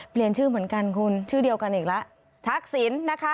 เปลี่ยนชื่อเหมือนกันคุณชื่อเดียวกันอีกแล้วทักษิณนะคะ